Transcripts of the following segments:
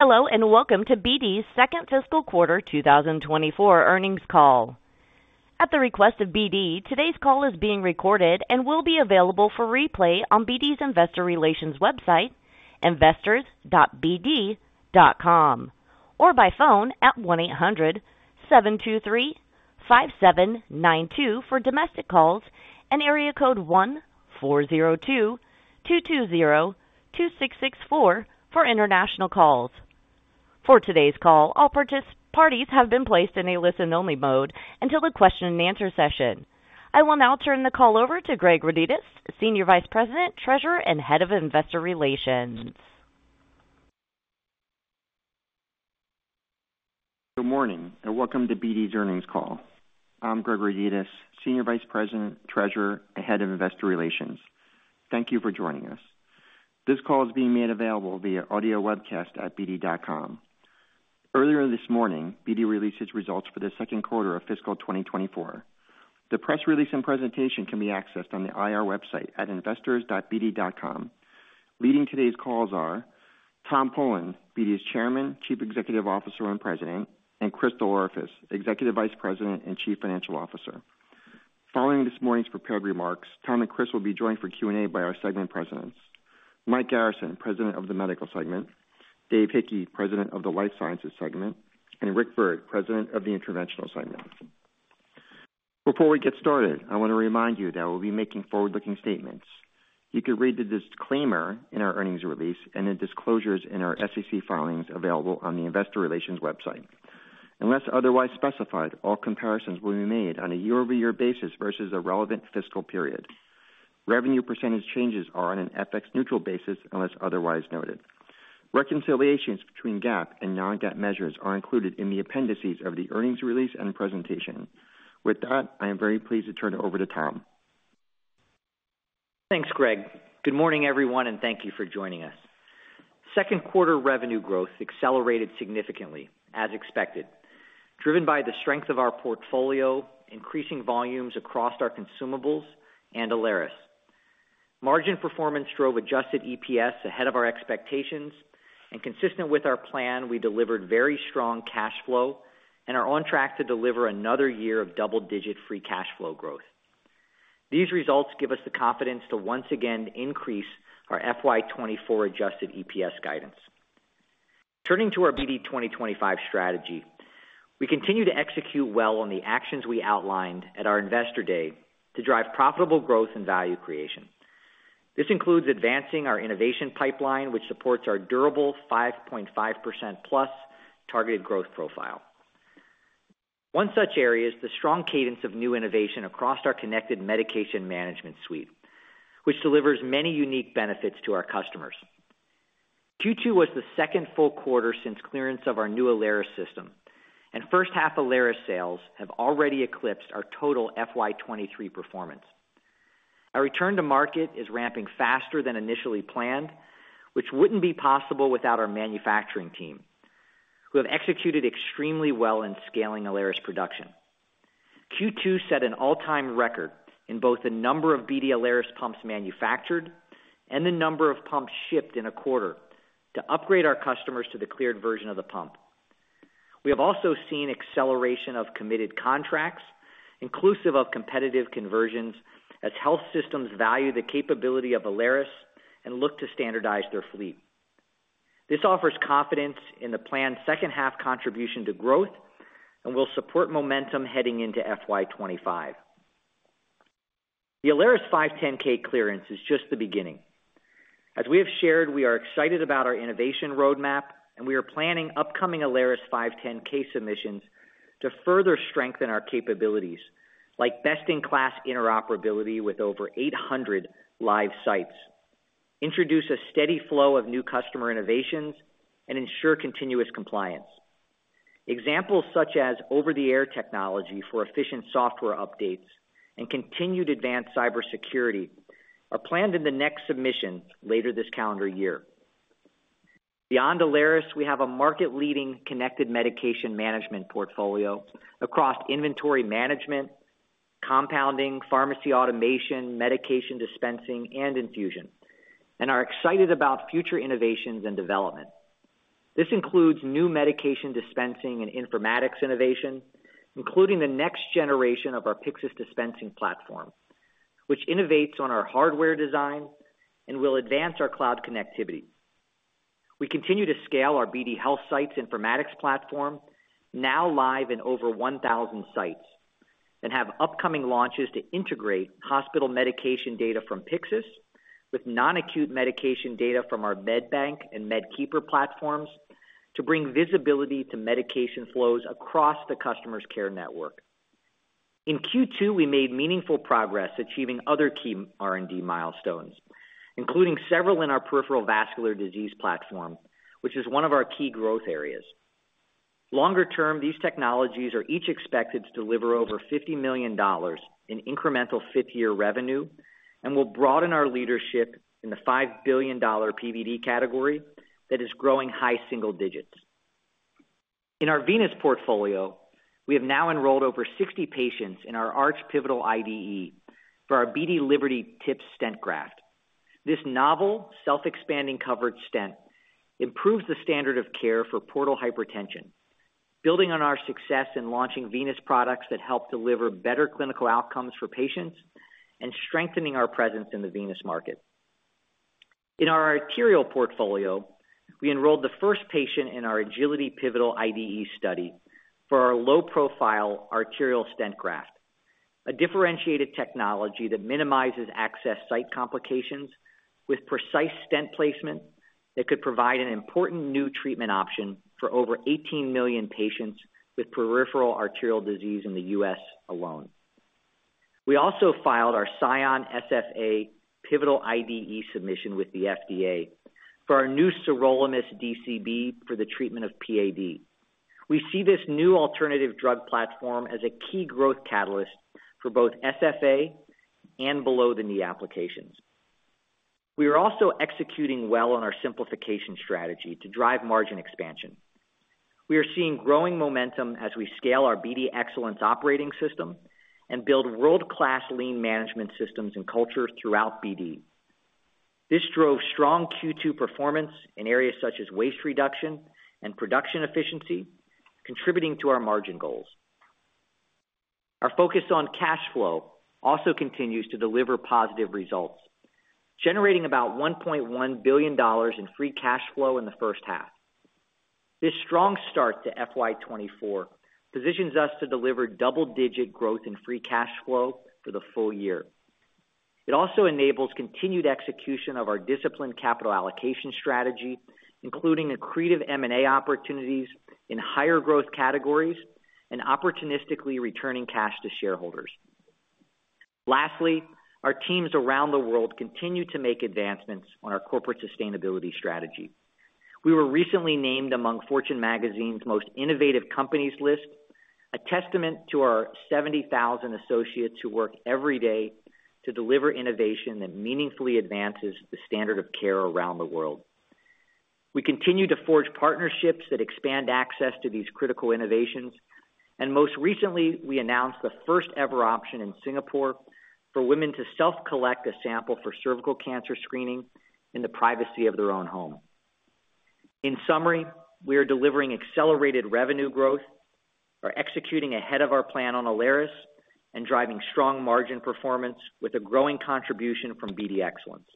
Hello and welcome to BD's second fiscal quarter 2024 earnings call. At the request of BD, today's call is being recorded and will be available for replay on BD's investor relations website, investors.bd.com, or by phone at 1-800-723-5792 for domestic calls and area code 1-402-220-2664 for international calls. For today's call, all parties have been placed in a listen-only mode until the question-and-answer session. I will now turn the call over to Greg Rodetis, Senior Vice President, Treasurer, and Head of Investor Relations. Good morning and welcome to BD's earnings call. I'm Greg Rodetis, Senior Vice President, Treasurer, and Head of Investor Relations. Thank you for joining us. This call is being made available via audio webcast at bd.com. Earlier this morning, BD released its results for the Q2 of fiscal 2024. The press release and presentation can be accessed on the IR website at investors.bd.com. Leading today's calls are Tom Polen, BD's Chairman, Chief Executive Officer and President, and Chris DelOrefice, Executive Vice President and Chief Financial Officer. Following this morning's prepared remarks, Tom and Chris will be joined for Q&A by our segment presidents: Mike Garrison, President of the Medical Segment; Dave Hickey, President of the Life Sciences Segment; and Rick Byrd, President of the Interventional Segment. Before we get started, I want to remind you that we'll be making forward-looking statements. You can read the disclaimer in our earnings release and the disclosures in our SEC filings available on the investor relations website. Unless otherwise specified, all comparisons will be made on a year-over-year basis versus a relevant fiscal period. Revenue percentage changes are on an FX-neutral basis unless otherwise noted. Reconciliations between GAAP and non-GAAP measures are included in the appendices of the earnings release and presentation. With that, I am very pleased to turn it over to Tom. Thanks, Greg. Good morning, everyone, and thank you for joining us. Q2 revenue growth accelerated significantly, as expected, driven by the strength of our portfolio, increasing volumes across our consumables, and Alaris. Margin performance drove adjusted EPS ahead of our expectations, and consistent with our plan, we delivered very strong cash flow and are on track to deliver another year of double-digit free cash flow growth. These results give us the confidence to once again increase our FY 2024 adjusted EPS guidance. Turning to our BD 2025 strategy, we continue to execute well on the actions we outlined at our investor day to drive profitable growth and value creation. This includes advancing our innovation pipeline, which supports our durable 5.5%+ targeted growth profile. One such area is the strong cadence of new innovation across our connected medication management suite, which delivers many unique benefits to our customers. Q2 was the second full quarter since clearance of our new Alaris system, and first-half Alaris sales have already eclipsed our total FY23 performance. Our return to market is ramping faster than initially planned, which wouldn't be possible without our manufacturing team, who have executed extremely well in scaling Alaris production. Q2 set an all-time record in both the number of BD Alaris pumps manufactured and the number of pumps shipped in a quarter to upgrade our customers to the cleared version of the pump. We have also seen acceleration of committed contracts, inclusive of competitive conversions, as health systems value the capability of Alaris and look to standardize their fleet. This offers confidence in the planned second-half contribution to growth and will support momentum heading into FY25. The Alaris 510(k) clearance is just the beginning. As we have shared, we are excited about our innovation roadmap, and we are planning upcoming Alaris 510(k) submissions to further strengthen our capabilities, like best-in-class interoperability with over 800 live sites, introduce a steady flow of new customer innovations, and ensure continuous compliance. Examples such as over-the-air technology for efficient software updates and continued advanced cybersecurity are planned in the next submission later this calendar year. Beyond Alaris, we have a market-leading connected medication management portfolio across inventory management, compounding, pharmacy automation, medication dispensing, and infusion, and are excited about future innovations and development. This includes new medication dispensing and informatics innovation, including the next generation of our Pyxis dispensing platform, which innovates on our hardware design and will advance our cloud connectivity. We continue to scale our BD HealthSight informatics platform, now live in over 1,000 sites, and have upcoming launches to integrate hospital medication data from Pyxis with non-acute medication data from our MedBank and MedKeeper platforms to bring visibility to medication flows across the customer's care network. In Q2, we made meaningful progress achieving other key R&D milestones, including several in our peripheral vascular disease platform, which is one of our key growth areas. Longer term, these technologies are each expected to deliver over $50 million in incremental fifth-year revenue and will broaden our leadership in the $5 billion PVD category that is growing high single digits%. In our venous portfolio, we have now enrolled over 60 patients in our ARCH Pivotal IDE for our BD Liverty TIPS stent graft. This novel, self-expanding covered stent improves the standard of care for portal hypertension, building on our success in launching venous products that help deliver better clinical outcomes for patients and strengthening our presence in the venous market. In our arterial portfolio, we enrolled the first patient in our Agility Pivotal IDE study for our low-profile arterial stent graft, a differentiated technology that minimizes access site complications with precise stent placement that could provide an important new treatment option for over 18 million patients with peripheral arterial disease in the U.S. alone. We also filed our Selution SFA Pivotal IDE submission with the FDA for our new sirolimus DCB for the treatment of PAD. We see this new alternative drug platform as a key growth catalyst for both SFA and below-the-knee applications. We are also executing well on our simplification strategy to drive margin expansion. We are seeing growing momentum as we scale our BD Excellence operating system and build world-class lean management systems and culture throughout BD. This drove strong Q2 performance in areas such as waste reduction and production efficiency, contributing to our margin goals. Our focus on cash flow also continues to deliver positive results, generating about $1.1 billion in free cash flow in the first half. This strong start to FY2024 positions us to deliver double-digit growth in free cash flow for the full year. It also enables continued execution of our disciplined capital allocation strategy, including accretive M&A opportunities in higher growth categories and opportunistically returning cash to shareholders. Lastly, our teams around the world continue to make advancements on our corporate sustainability strategy. We were recently named among Fortune Magazine's Most Innovative Companies list, a testament to our 70,000 associates who work every day to deliver innovation that meaningfully advances the standard of care around the world. We continue to forge partnerships that expand access to these critical innovations, and most recently, we announced the first-ever option in Singapore for women to self-collect a sample for cervical cancer screening in the privacy of their own home. In summary, we are delivering accelerated revenue growth, are executing ahead of our plan on Alaris, and driving strong margin performance with a growing contribution from BD Excellence.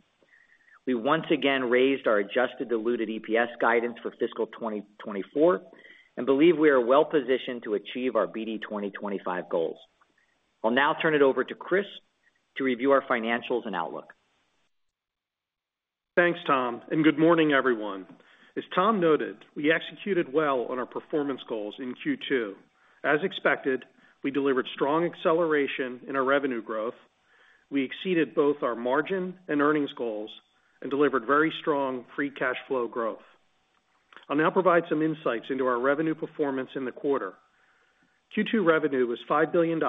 We once again raised our adjusted diluted EPS guidance for fiscal 2024 and believe we are well positioned to achieve our BD 2025 goals. I'll now turn it over to Christopher to review our financials and outlook. Thanks, Tom, and good morning, everyone. As Tom noted, we executed well on our performance goals in Q2. As expected, we delivered strong acceleration in our revenue growth. We exceeded both our margin and earnings goals and delivered very strong free cash flow growth. I'll now provide some insights into our revenue performance in the quarter. Q2 revenue was $5 billion,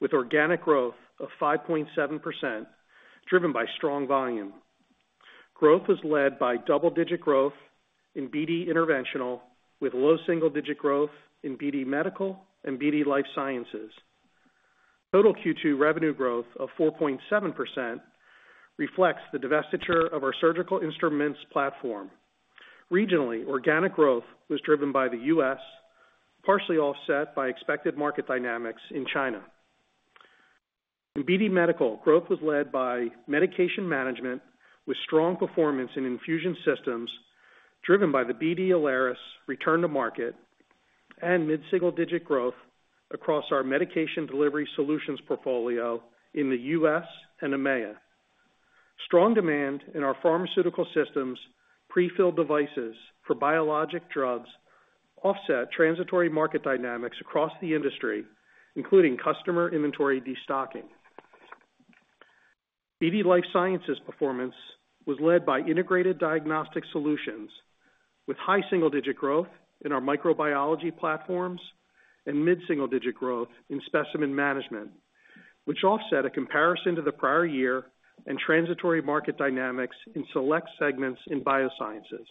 with organic growth of 5.7% driven by strong volume. Growth was led by double-digit growth in BD Interventional with low single-digit growth in BD Medical and BD Life Sciences. Total Q2 revenue growth of 4.7% reflects the divestiture of our surgical instruments platform. Regionally, organic growth was driven by the U.S., partially offset by expected market dynamics in China. In BD Medical, growth was led by medication management with strong performance in infusion systems driven by the BD Alaris return-to-market and mid-single-digit growth across our medication delivery solutions portfolio in the U.S. and EMEA. Strong demand in our pharmaceutical systems prefill devices for biologic drugs offset transitory market dynamics across the industry, including customer inventory destocking. BD Life Sciences performance was led by integrated diagnostic solutions with high single-digit growth in our microbiology platforms and mid-single-digit growth in specimen management, which offset a comparison to the prior year and transitory market dynamics in select segments in biosciences.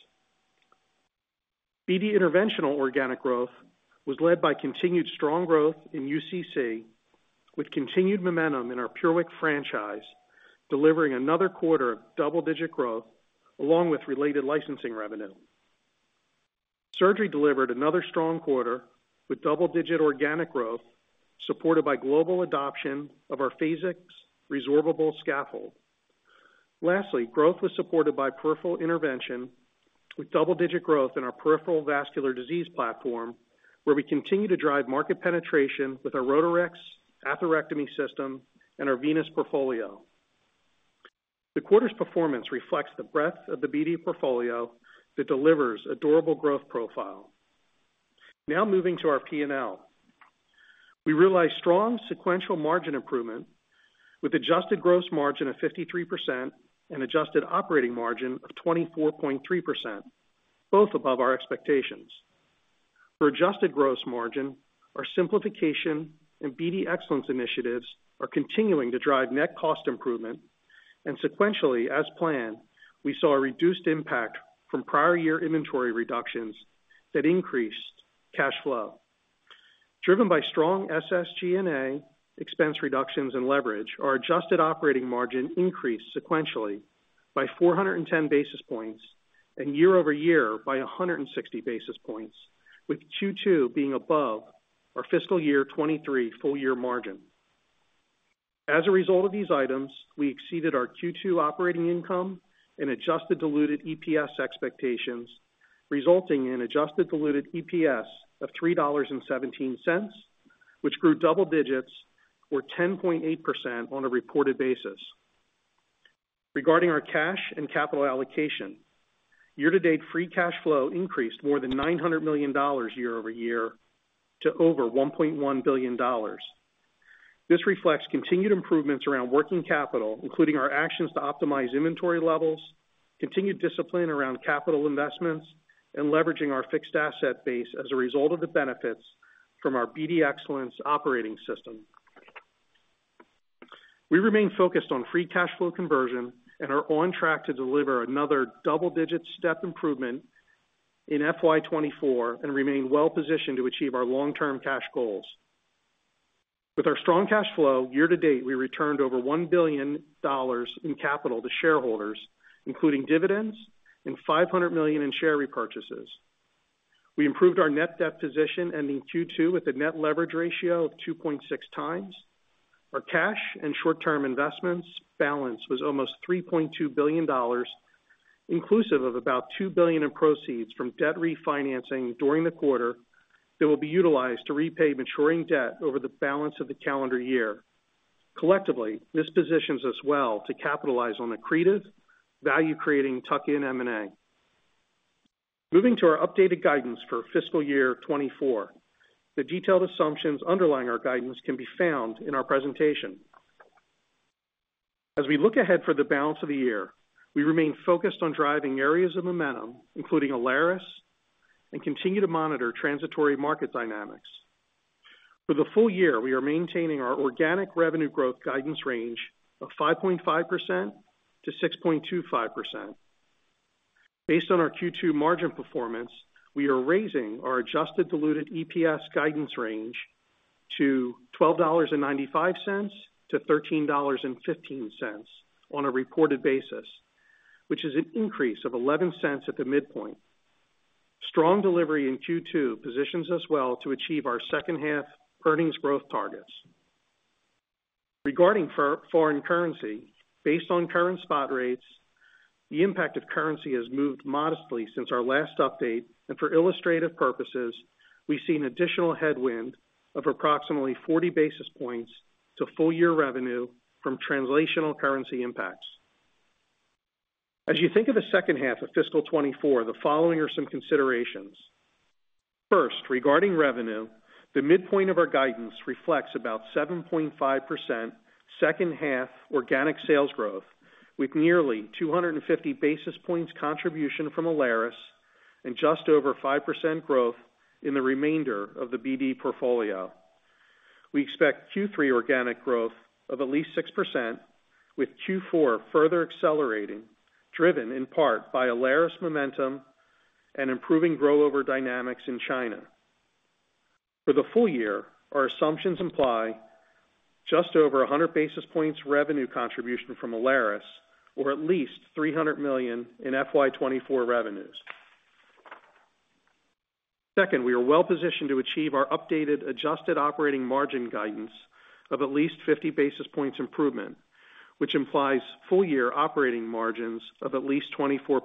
BD Interventional organic growth was led by continued strong growth in UCC with continued momentum in our PureWick franchise, delivering another quarter of double-digit growth along with related licensing revenue. Surgery delivered another strong quarter with double-digit organic growth supported by global adoption of our Phasix resorbable scaffold. Lastly, growth was supported by peripheral intervention with double-digit growth in our peripheral vascular disease platform, where we continue to drive market penetration with our Rotarex atherectomy system and our venous portfolio. The quarter's performance reflects the breadth of the BD portfolio that delivers a durable growth profile. Now moving to our P&L. We realized strong sequential margin improvement with adjusted gross margin of 53% and adjusted operating margin of 24.3%, both above our expectations. For adjusted gross margin, our simplification and BD Excellence initiatives are continuing to drive net cost improvement, and sequentially, as planned, we saw a reduced impact from prior-year inventory reductions that increased cash flow. Driven by strong SG&A expense reductions and leverage, our adjusted operating margin increased sequentially by 410 basis points and year-over-year by 160 basis points, with Q2 being above our fiscal year 2023 full-year margin. As a result of these items, we exceeded our Q2 operating income and adjusted diluted EPS expectations, resulting in an adjusted diluted EPS of $3.17, which grew double digits, or 10.8% on a reported basis. Regarding our cash and capital allocation, year-to-date free cash flow increased more than $900 million year-over-year to over $1.1 billion. This reflects continued improvements around working capital, including our actions to optimize inventory levels, continued discipline around capital investments, and leveraging our fixed asset base as a result of the benefits from our BD Excellence operating system. We remain focused on free cash flow conversion and are on track to deliver another double-digit step improvement in FY24 and remain well positioned to achieve our long-term cash goals. With our strong cash flow, year-to-date, we returned over $1 billion in capital to shareholders, including dividends and $500 million in share repurchases. We improved our net debt position ending Q2 with a net leverage ratio of 2.6 times. Our cash and short-term investments balance was almost $3.2 billion, inclusive of about $2 billion in proceeds from debt refinancing during the quarter that will be utilized to repay maturing debt over the balance of the calendar year. Collectively, this positions us well to capitalize on accretive, value-creating tuck-in M&A. Moving to our updated guidance for fiscal year 2024, the detailed assumptions underlying our guidance can be found in our presentation. As we look ahead for the balance of the year, we remain focused on driving areas of momentum, including Alaris, and continue to monitor transitory market dynamics. For the full year, we are maintaining our organic revenue growth guidance range of 5.5%-6.25%. Based on our Q2 margin performance, we are raising our adjusted diluted EPS guidance range to $12.95-$13.15 on a reported basis, which is an increase of $0.11 at the midpoint. Strong delivery in Q2 positions us well to achieve our second-half earnings growth targets. Regarding foreign currency, based on current spot rates, the impact of currency has moved modestly since our last update, and for illustrative purposes, we've seen additional headwind of approximately 40 basis points to full-year revenue from translational currency impacts. As you think of the second half of fiscal 2024, the following are some considerations. First, regarding revenue, the midpoint of our guidance reflects about 7.5% second-half organic sales growth, with nearly 250 basis points contribution from Alaris and just over 5% growth in the remainder of the BD portfolio. We expect Q3 organic growth of at least 6%, with Q4 further accelerating, driven in part by Alaris momentum and improving growth dynamics in China. For the full year, our assumptions imply just over 100 basis points revenue contribution from Alaris, or at least $300 million in FY 2024 revenues. Second, we are well positioned to achieve our updated adjusted operating margin guidance of at least 50 basis points improvement, which implies full-year operating margins of at least 24%.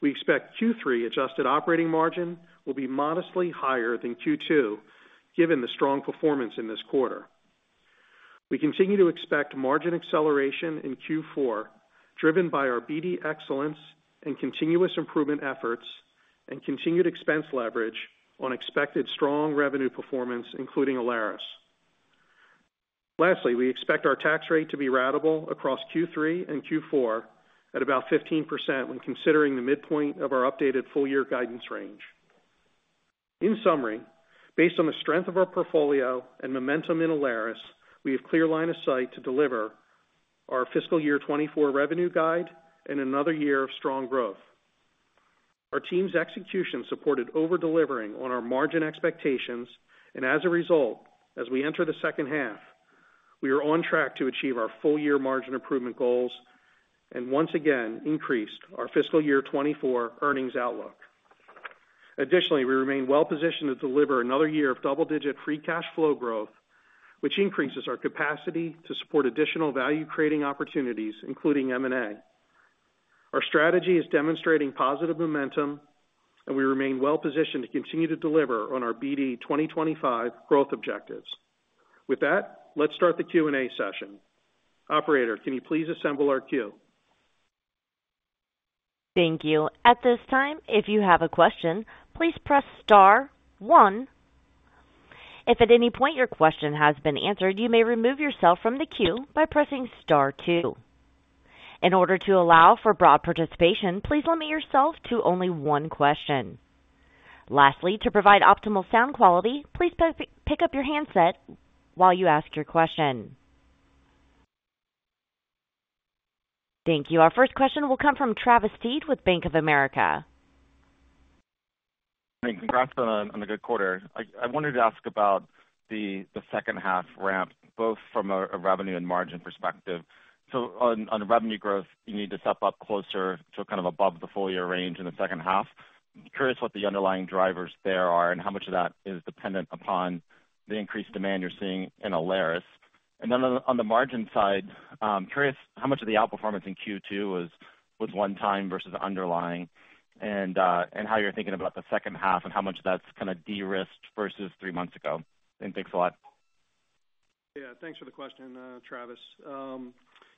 We expect Q3 adjusted operating margin will be modestly higher than Q2 given the strong performance in this quarter. We continue to expect margin acceleration in Q4 driven by our BD Excellence and continuous improvement efforts and continued expense leverage on expected strong revenue performance, including Alaris. Lastly, we expect our tax rate to be ratable across Q3 and Q4 at about 15% when considering the midpoint of our updated full-year guidance range. In summary, based on the strength of our portfolio and momentum in Alaris, we have clear line of sight to deliver our fiscal year 2024 revenue guide and another year of strong growth. Our team's execution supported over-delivering on our margin expectations, and as a result, as we enter the second half, we are on track to achieve our full-year margin improvement goals and once again increased our fiscal year 2024 earnings outlook. Additionally, we remain well positioned to deliver another year of double-digit free cash flow growth, which increases our capacity to support additional value-creating opportunities, including M&A. Our strategy is demonstrating positive momentum, and we remain well positioned to continue to deliver on our BD 2025 growth objectives. With that, let's start the Q&A session. Operator, can you please assemble our queue? Thank you. At this time, if you have a question, please press star one. If at any point your question has been answered, you may remove yourself from the queue by pressing star two. In order to allow for broad participation, please limit yourself to only one question. Lastly, to provide optimal sound quality, please pick up your handset while you ask your question. Thank you. Our first question will come from Travis Steed with Bank of America. Hey, congrats on a good quarter. I wanted to ask about the second-half ramp, both from a revenue and margin perspective. So on revenue growth, you need to step up closer to kind of above the full-year range in the second half. Curious what the underlying drivers there are and how much of that is dependent upon the increased demand you're seeing in Alaris. And then on the margin side, curious how much of the outperformance in Q2 was one-time versus underlying and how you're thinking about the second half and how much of that's kind of de-risked versus three months ago. And thanks a lot. Yeah, thanks for the question, Travis.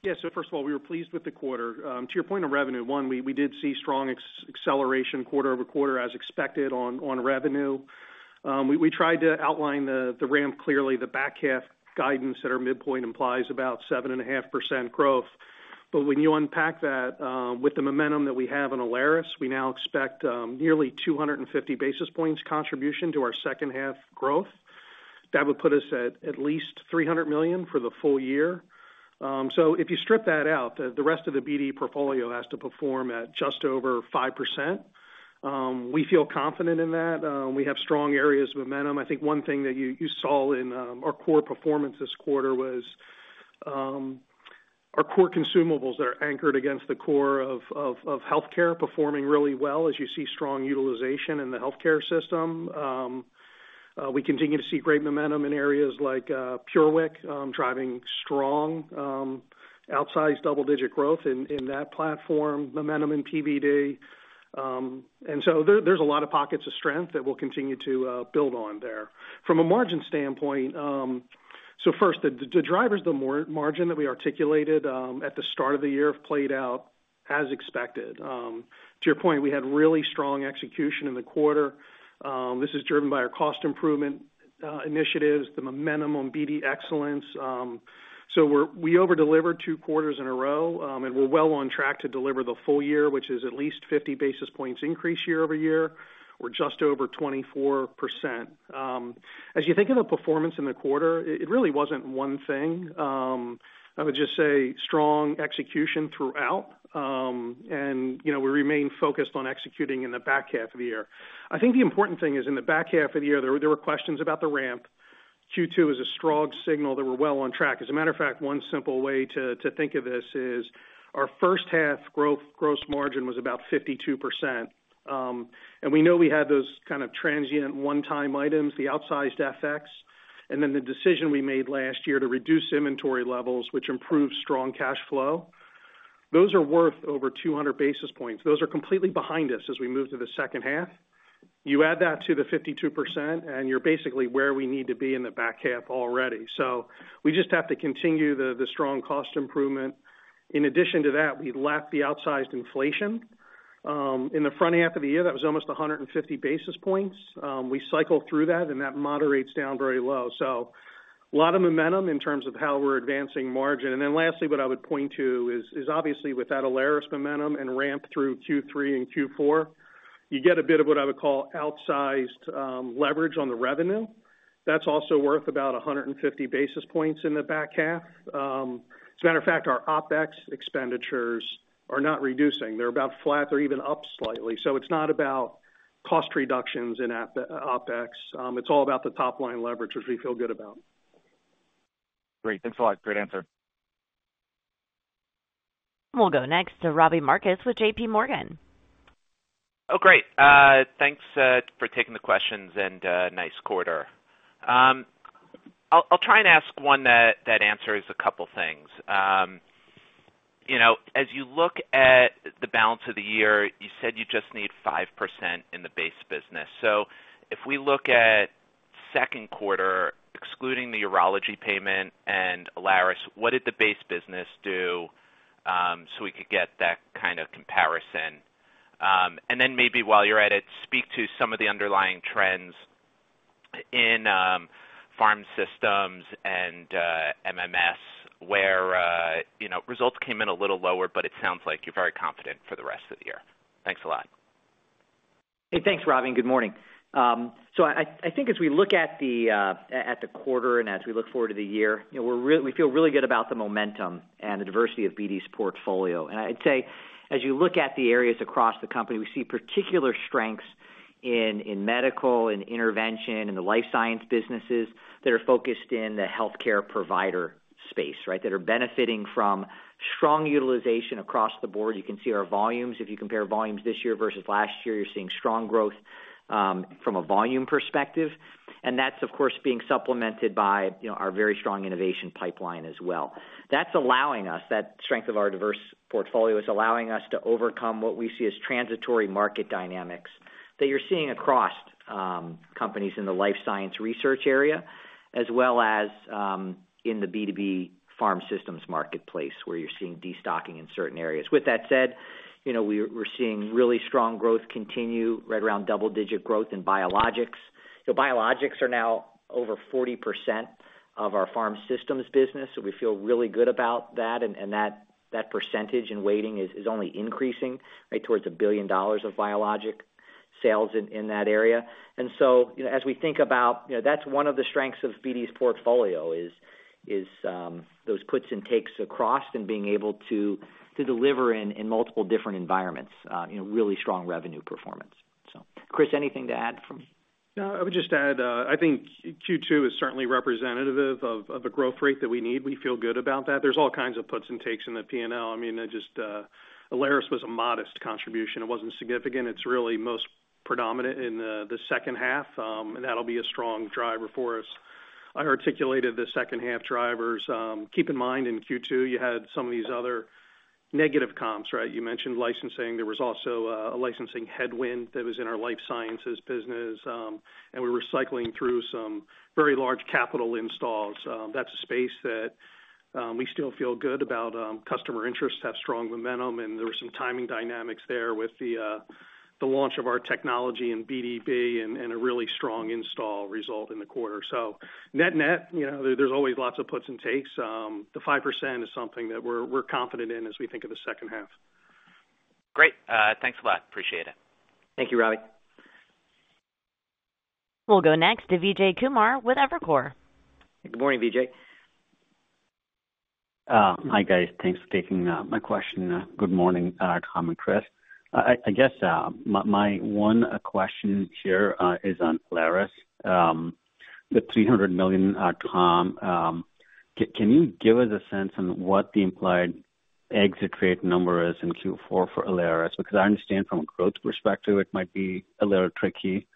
Yeah, so first of all, we were pleased with the quarter. To your point on revenue, one, we did see strong acceleration quarter-over-quarter as expected on revenue. We tried to outline the ramp clearly. The back-half guidance at our midpoint implies about 7.5% growth. But when you unpack that, with the momentum that we have in Alaris, we now expect nearly 250 basis points contribution to our second-half growth. That would put us at least $300 million for the full year. So if you strip that out, the rest of the BD portfolio has to perform at just over 5%. We feel confident in that. We have strong areas of momentum. I think one thing that you saw in our core performance this quarter was our core consumables that are anchored against the core of healthcare performing really well as you see strong utilization in the healthcare system. We continue to see great momentum in areas like PureWick driving strong outsized double-digit growth in that platform, momentum in BD. And so there's a lot of pockets of strength that we'll continue to build on there. From a margin standpoint, so first, the drivers, the margin that we articulated at the start of the year played out as expected. To your point, we had really strong execution in the quarter. This is driven by our cost improvement initiatives, the momentum on BD Excellence. So we overdelivered two quarters in a row, and we're well on track to deliver the full year, which is at least 50 basis points increase year-over-year. We're just over 24%. As you think of the performance in the quarter, it really wasn't one thing. I would just say strong execution throughout. And we remain focused on executing in the back-half of the year. I think the important thing is in the back-half of the year, there were questions about the ramp. Q2 is a strong signal that we're well on track. As a matter of fact, one simple way to think of this is our first-half growth margin was about 52%. And we know we had those kind of transient one-time items, the outsized FX, and then the decision we made last year to reduce inventory levels, which improved strong cash flow. Those are worth over 200 basis points. Those are completely behind us as we move to the second half. You add that to the 52%, and you're basically where we need to be in the back-half already. So we just have to continue the strong cost improvement. In addition to that, we left the outsized inflation. In the front half of the year, that was almost 150 basis points. We cycle through that, and that moderates down very low. So a lot of momentum in terms of how we're advancing margin. And then lastly, what I would point to is obviously with that Alaris momentum and ramp through Q3 and Q4, you get a bit of what I would call outsized leverage on the revenue. That's also worth about 150 basis points in the back-half. As a matter of fact, our OpEx expenditures are not reducing. They're about flat or even up slightly. So it's not about cost reductions in OpEx. It's all about the top-line leverage, which we feel good about. Great. Thanks a lot. Great answer. We'll go next to Robbie Marcus with J.P. Morgan. Oh, great. Thanks for taking the questions and nice quarter. I'll try and ask one that answers a couple of things. As you look at the balance of the year, you said you just need 5% in the base business. So if we look at Q2, excluding the urology payment and Alaris, what did the base business do so we could get that kind of comparison? And then maybe while you're at it, speak to some of the underlying trends in pharm systems and MMS where results came in a little lower, but it sounds like you're very confident for the rest of the year. Thanks a lot. Hey, thanks, Robbie. Good morning. I think as we look at the quarter and as we look forward to the year, we feel really good about the momentum and the diversity of BD's portfolio. I'd say as you look at the areas across the company, we see particular strengths in medical, in intervention, in the life science businesses that are focused in the healthcare provider space, right, that are benefiting from strong utilization across the board. You can see our volumes. If you compare volumes this year versus last year, you're seeing strong growth from a volume perspective. That's, of course, being supplemented by our very strong innovation pipeline as well. That's allowing us, that strength of our diverse portfolio is allowing us to overcome what we see as transitory market dynamics that you're seeing across companies in the life science research area as well as in the B2B pharm systems marketplace where you're seeing destocking in certain areas. With that said, we're seeing really strong growth continue right around double-digit growth in biologics. Biologics are now over 40% of our pharm systems business. So we feel really good about that. And that percentage in weighting is only increasing, right, towards $1 billion of biologic sales in that area. And so as we think about that's one of the strengths of BD's portfolio is those puts and takes across and being able to deliver in multiple different environments, really strong revenue performance. So Chris, anything to add from? No, I would just add I think Q2 is certainly representative of the growth rate that we need. We feel good about that. There's all kinds of puts and takes in the P&L. I mean, just Alaris was a modest contribution. It wasn't significant. It's really most predominant in the second half. And that'll be a strong driver for us. I articulated the second-half drivers. Keep in mind in Q2, you had some of these other negative comps, right? You mentioned licensing. There was also a licensing headwind that was in our life sciences business. And we were cycling through some very large capital installs. That's a space that we still feel good about. Customer interests have strong momentum. And there were some timing dynamics there with the launch of our technology in BD Bio and a really strong install result in the quarter. So net-net, there's always lots of puts and takes. The 5% is something that we're confident in as we think of the second half. Great. Thanks a lot. Appreciate it. Thank you, Robbie. We'll go next to Vijay Kumar with Evercore. Good morning, Vijay. Hi, guys. Thanks for taking my question. Good morning, Tom and Chris. I guess my one question here is on Alaris. The $300 million, Tom, can you give us a sense on what the implied exit rate number is in Q4 for Alaris? Because I understand from a growth perspective, it might be a little tricky.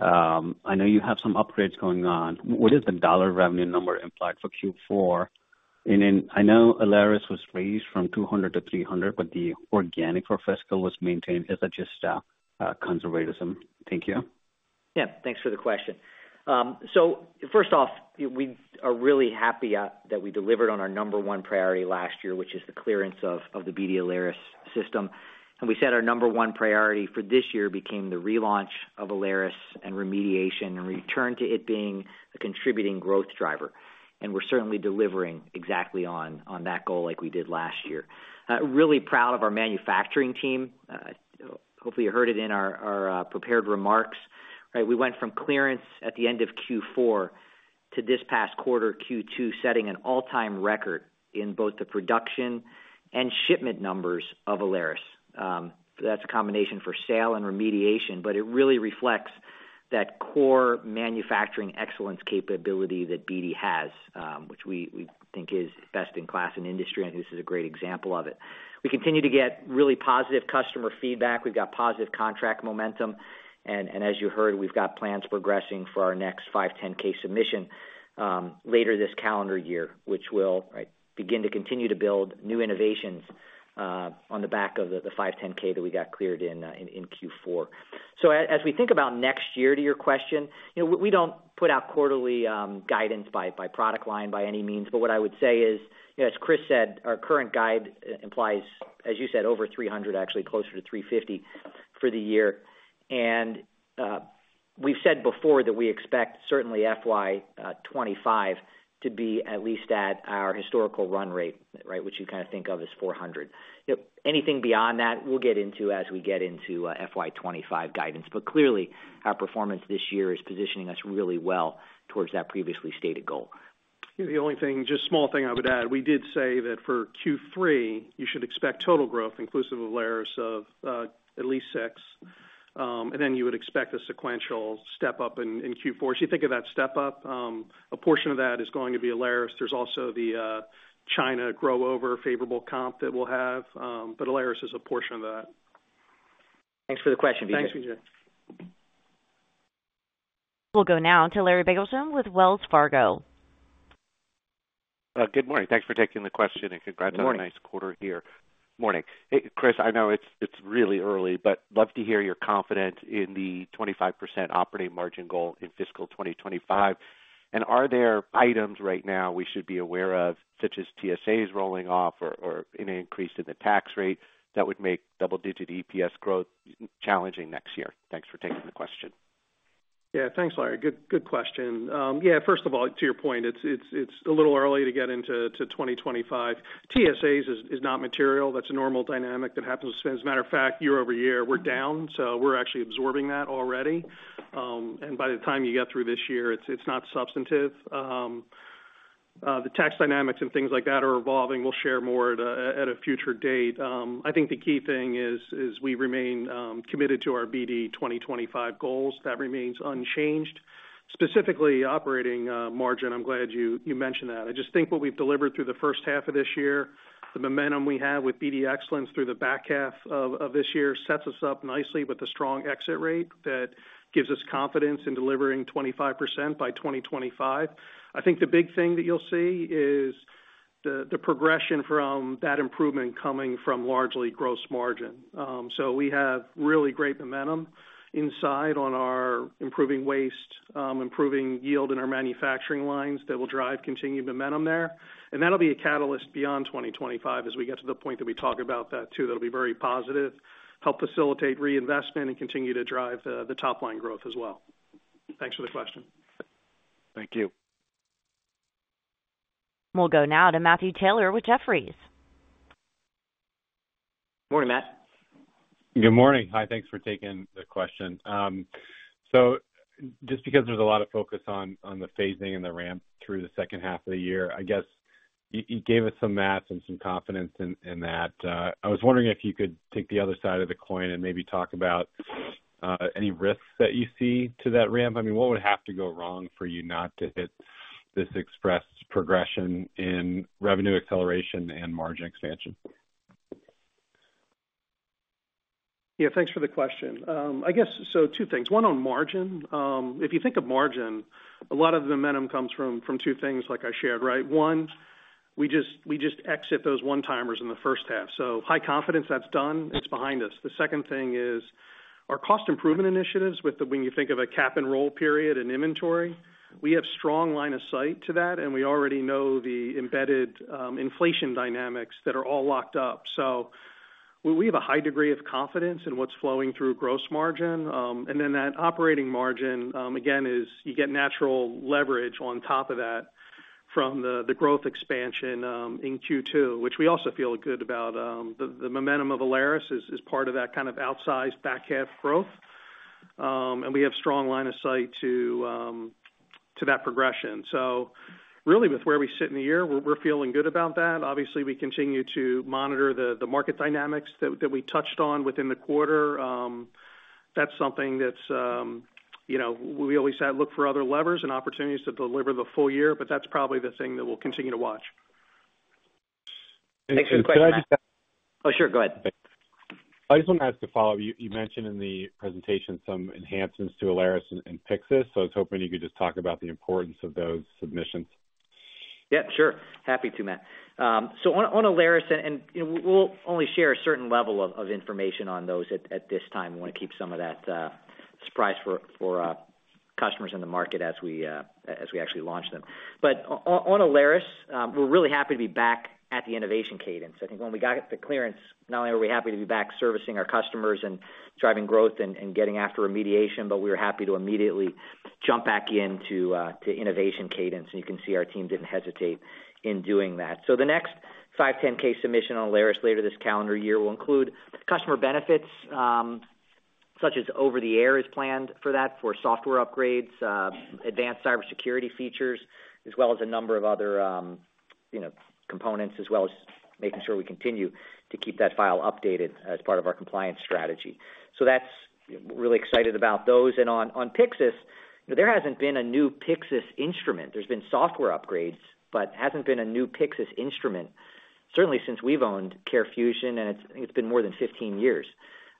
I know you have some upgrades going on. What is the dollar revenue number implied for Q4? And I know Alaris was raised from $200 million to $300 million, but the organic for fiscal was maintained. Is that just conservatism? Thank you. Yep. Thanks for the question. So first off, we are really happy that we delivered on our number one priority last year, which is the clearance of the BD Alaris system. We said our number one priority for this year became the relaunch of Alaris and remediation and return to it being a contributing growth driver. We're certainly delivering exactly on that goal like we did last year. Really proud of our manufacturing team. Hopefully, you heard it in our prepared remarks, right? We went from clearance at the end of Q4 to this past quarter, Q2, setting an all-time record in both the production and shipment numbers of Alaris. That's a combination for sale and remediation, but it really reflects that core manufacturing excellence capability that BD has, which we think is best in class in industry, and this is a great example of it. We continue to get really positive customer feedback. We've got positive contract momentum. As you heard, we've got plans progressing for our next 510(k) submission later this calendar year, which will begin to continue to build new innovations on the back of the 510(k) that we got cleared in Q4. As we think about next year, to your question, we don't put out quarterly guidance by product line by any means. But what I would say is, as Chris said, our current guide implies, as you said, over 300, actually closer to 350 for the year. We've said before that we expect certainly FY25 to be at least at our historical run rate, right, which you kind of think of as 400. Anything beyond that, we'll get into as we get into FY25 guidance. Clearly, our performance this year is positioning us really well towards that previously stated goal. The only thing, just small thing I would add, we did say that for Q3, you should expect total growth, inclusive of Alaris, of at least 6%. And then you would expect a sequential step up in Q4. As you think of that step up, a portion of that is going to be Alaris. There's also the China growth over favorable comps that we'll have. But Alaris is a portion of that. Thanks for the question, Vijay. Thanks, Vijay. We'll go now to Larry Biegelsen with Wells Fargo. Good morning. Thanks for taking the question, and congrats on a nice quarter here. Morning. Chris, I know it's really early, but love to hear you're confident in the 25% operating margin goal in fiscal 2025. Are there items right now we should be aware of, such as TSAs rolling off or an increase in the tax rate that would make double-digit EPS growth challenging next year? Thanks for taking the question. Yeah, thanks, Larry. Good question. Yeah, first of all, to your point, it's a little early to get into 2025. TSAs is not material. That's a normal dynamic that happens with spend. As a matter of fact, year-over-year, we're down. So we're actually absorbing that already. And by the time you get through this year, it's not substantive. The tax dynamics and things like that are evolving. We'll share more at a future date. I think the key thing is we remain committed to our BD 2025 goals. That remains unchanged. Specifically, operating margin, I'm glad you mentioned that. I just think what we've delivered through the first half of this year, the momentum we have with BD Excellence through the back-half of this year sets us up nicely with a strong exit rate that gives us confidence in delivering 25% by 2025. I think the big thing that you'll see is the progression from that improvement coming from largely gross margin. So we have really great momentum inside on our improving waste, improving yield in our manufacturing lines that will drive continued momentum there. And that'll be a catalyst beyond 2025 as we get to the point that we talk about that too. That'll be very positive, help facilitate reinvestment, and continue to drive the top-line growth as well. Thanks for the question. Thank you. We'll go now to Matthew Taylor with Jefferies. Morning, Matt. Good morning. Hi. Thanks for taking the question. So just because there's a lot of focus on the phasing and the ramp through the second half of the year, I guess you gave us some math and some confidence in that. I was wondering if you could take the other side of the coin and maybe talk about any risks that you see to that ramp. I mean, what would have to go wrong for you not to hit this express progression in revenue acceleration and margin expansion? Yeah, thanks for the question. I guess, so two things. One on margin. If you think of margin, a lot of the momentum comes from two things like I shared, right? One, we just exit those one-timers in the first half. So high confidence, that's done. It's behind us. The second thing is our cost improvement initiatives with the, when you think of a cap and roll period and inventory, we have strong line of sight to that. And we already know the embedded inflation dynamics that are all locked up. So we have a high degree of confidence in what's flowing through gross margin. And then that operating margin, again, is you get natural leverage on top of that from the growth expansion in Q2, which we also feel good about. The momentum of Alaris is part of that kind of outsized back-half growth. We have strong line of sight to that progression. So really, with where we sit in the year, we're feeling good about that. Obviously, we continue to monitor the market dynamics that we touched on within the quarter. That's something that we always look for other levers and opportunities to deliver the full year. But that's probably the thing that we'll continue to watch. Thanks for the question. Oh, sure. Go ahead. I just want to ask a follow-up. You mentioned in the presentation some enhancements to Alaris and Pyxis. So I was hoping you could just talk about the importance of those submissions. Yeah, sure. Happy to, Matt. So on Alaris, and we'll only share a certain level of information on those at this time. We want to keep some of that surprise for customers in the market as we actually launch them. But on Alaris, we're really happy to be back at the innovation cadence. I think when we got the clearance, not only were we happy to be back servicing our customers and driving growth and getting after remediation, but we were happy to immediately jump back into innovation cadence. And you can see our team didn't hesitate in doing that. So the next 510(k) submission on Alaris later this calendar year will include customer benefits such as over-the-air is planned for that for software upgrades, advanced cybersecurity features, as well as a number of other components, as well as making sure we continue to keep that file updated as part of our compliance strategy. So that's really excited about those. And on Pyxis, there hasn't been a new Pyxis instrument. There's been software upgrades, but hasn't been a new Pyxis instrument, certainly since we've owned CareFusion, and it's been more than 15 years.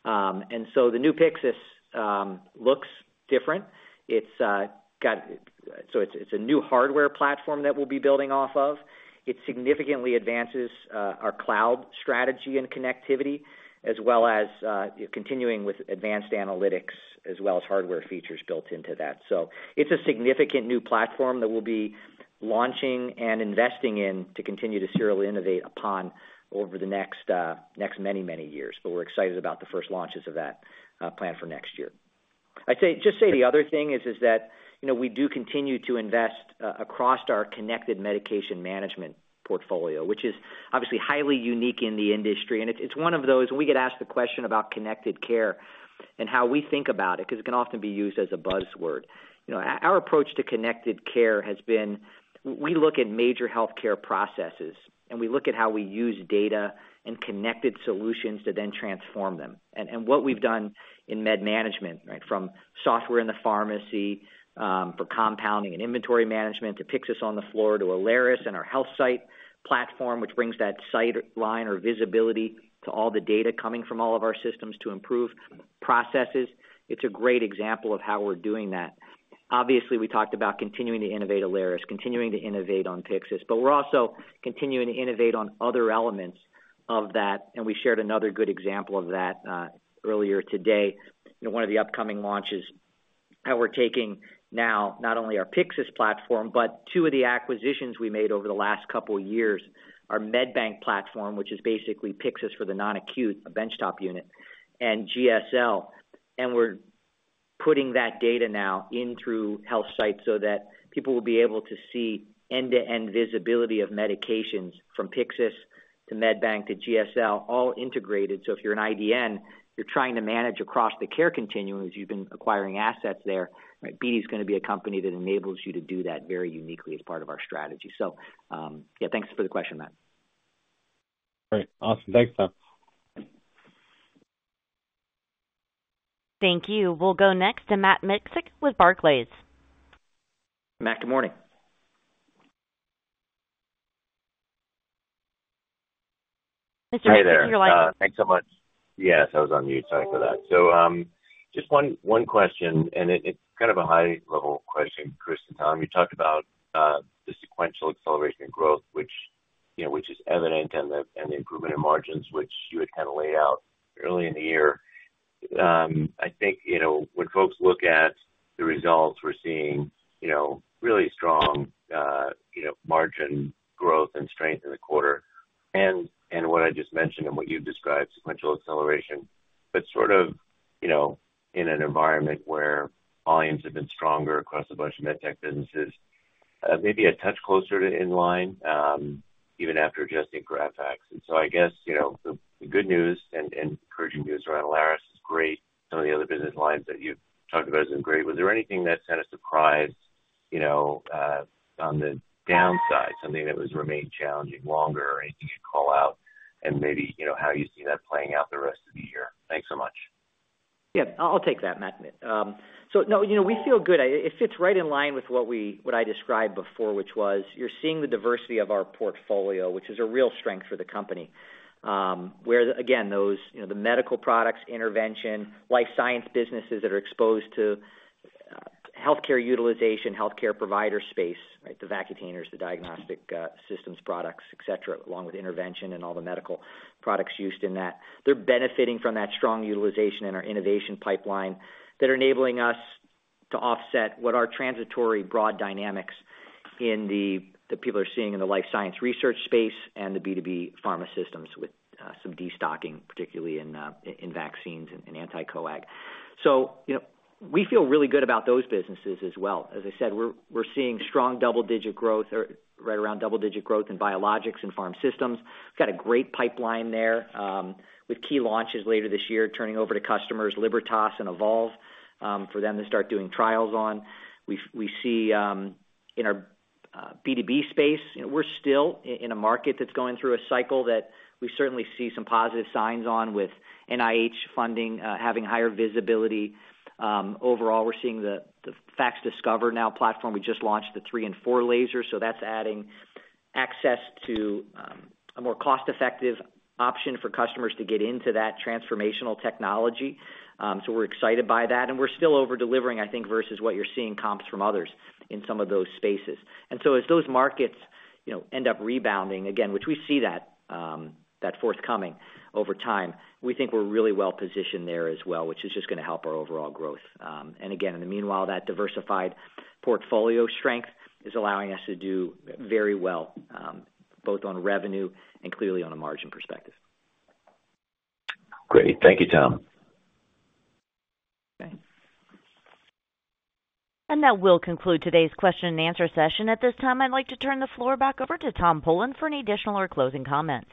And so the new Pyxis looks different. So it's a new hardware platform that we'll be building off of. It significantly advances our cloud strategy and connectivity, as well as continuing with advanced analytics, as well as hardware features built into that. So it's a significant new platform that we'll be launching and investing in to continue to serially innovate upon over the next many, many years. But we're excited about the first launches of that platform for next year. Just say the other thing is that we do continue to invest across our connected medication management portfolio, which is obviously highly unique in the industry. And it's one of those when we get asked the question about connected care and how we think about it because it can often be used as a buzzword. Our approach to connected care has been we look at major healthcare processes, and we look at how we use data and connected solutions to then transform them. And what we've done in med management, right, from software in the pharmacy for compounding and inventory management to Pyxis on the floor to Alaris and our HealthSight platform, which brings that site line or visibility to all the data coming from all of our systems to improve processes, it's a great example of how we're doing that. Obviously, we talked about continuing to innovate Alaris, continuing to innovate on Pyxis. But we're also continuing to innovate on other elements of that. And we shared another good example of that earlier today, one of the upcoming launches that we're taking now, not only our Pyxis platform, but two of the acquisitions we made over the last couple of years, our MedBank platform, which is basically Pyxis for the non-acute benchtop unit, and GSL. And we're putting that data now in through HealthSight so that people will be able to see end-to-end visibility of medications from Pyxis to MedBank to GSL, all integrated. So if you're an IDN, you're trying to manage across the care continuum as you've been acquiring assets there, right? BD is going to be a company that enables you to do that very uniquely as part of our strategy. So yeah, thanks for the question, Matt. Great. Awesome. Thanks, Tom. Thank you. We'll go next to Matthew Miksic with Barclays. Matt, good morning. Mr. Miksic, you're live. Hey, there. Thanks so much. Yes, I was on mute, sorry for that. So just one question. It's kind of a high-level question, Chris and Tom. You talked about the sequential acceleration of growth, which is evident, and the improvement in margins, which you had kind of laid out early in the year. I think when folks look at the results we're seeing, really strong margin growth and strength in the quarter. And what I just mentioned and what you've described, sequential acceleration, but sort of in an environment where volumes have been stronger across a bunch of medtech businesses, maybe a touch closer to in line even after adjusting for FX. And so I guess the good news and encouraging news around Alaris is great. Some of the other business lines that you've talked about have been great. Was there anything that sent a surprise on the downside, something that was remained challenging longer, or anything you'd call out, and maybe how you see that playing out the rest of the year? Thanks so much. Yeah, I'll take that, Matt. So no, we feel good. It fits right in line with what I described before, which was you're seeing the diversity of our portfolio, which is a real strength for the company, where, again, the medical products, intervention, life science businesses that are exposed to healthcare utilization, healthcare provider space, right, the Vacutainers, the diagnostic systems products, etc., along with intervention and all the medical products used in that, they're benefiting from that strong utilization in our innovation pipeline that are enabling us to offset what are transitory broad dynamics in the people they're seeing in the life science research space and the B2B pharma systems with some destocking, particularly in vaccines and anti-coag. So we feel really good about those businesses as well. As I said, we're seeing strong double-digit growth right around double-digit growth in biologics and pharma systems. We've got a great pipeline there with key launches later this year turning over to customers, Libertas and Evolve, for them to start doing trials on. We see in our B2B space, we're still in a market that's going through a cycle that we certainly see some positive signs on with NIH funding having higher visibility. Overall, we're seeing the FACSDiscover now platform. We just launched the 3 and 4 lasers. So that's adding access to a more cost-effective option for customers to get into that transformational technology. So we're excited by that. And we're still over-delivering, I think, versus what you're seeing comps from others in some of those spaces. And so as those markets end up rebounding, again, which we see that forthcoming over time, we think we're really well-positioned there as well, which is just going to help our overall growth. And again, in the meanwhile, that diversified portfolio strength is allowing us to do very well both on revenue and clearly on a margin perspective. Great. Thank you, Tom. Okay. And that will conclude today's question and answer session. At this time, I'd like to turn the floor back over to Tom Polen for any additional or closing comments.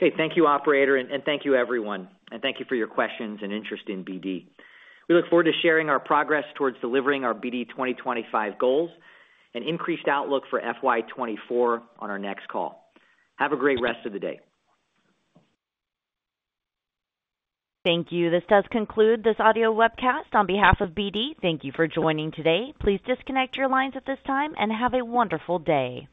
Okay. Thank you, operator. And thank you, everyone. And thank you for your questions and interest in BD. We look forward to sharing our progress towards delivering our BD 2025 goals and increased outlook for FY2024 on our next call. Have a great rest of the day. Thank you. This does conclude this audio webcast on behalf of BD. Thank you for joining today. Please disconnect your lines at this time and have a wonderful day.